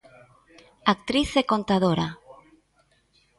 Actriz e contadora.